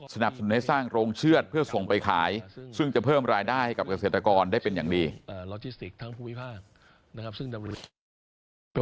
สนับสนุนให้สร้างโรงเชือดเพื่อส่งไปขาย